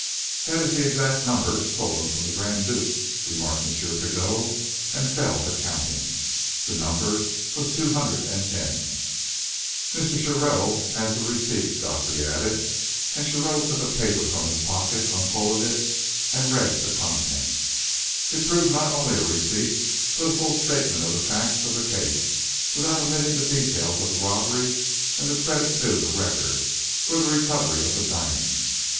"That is the exact number stolen from the Grand Duke," remarked M. Pigot, and fell to counting. The number was two hundred and ten. "Mr. Shearrow has the receipt," Godfrey added, and Shearrow took a paper from his pocket, unfolded it, and read the contents. It proved to be not only a receipt, but a full statement of the facts of the case, without omitting the details of the robbery and the credit due the Record for the recovery of the diamonds.